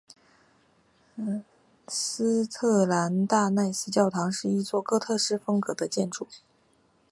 斯特兰奈斯大教堂是一座哥特式风格建筑。